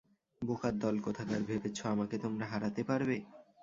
বোকার দল কোথাকার, ভেবেছ আমাকে তোমরা হারাতে পারবে।